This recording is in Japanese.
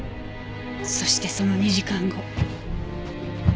そしてその２時間後。